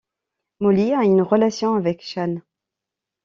Molly a une relation avec Shane.